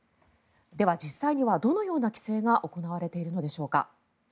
では、実際にはどのような規制が行われているのでしょうか。